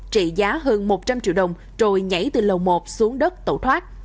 trị giá hơn một trăm linh triệu đồng rồi nhảy từ lầu một xuống đất tẩu thoát